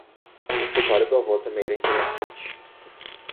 O escritório do avô também era interessante.